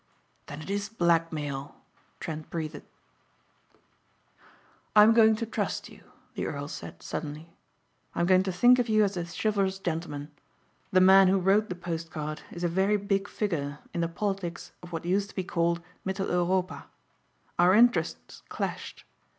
"Then it is blackmail," Trent breathed. "I am going to trust you," the earl said suddenly. "I am going to think of you as the chivalrous gentleman. The man who wrote the post card is a very big figure in the politics of what used to be called mittel Europa. Our interests clashed.